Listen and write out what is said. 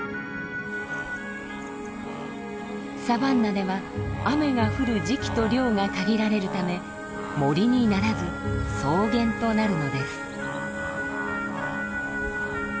サバンナでは雨が降る時期と量が限られるため森にならず草原となるのです。